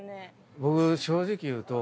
僕正直言うと。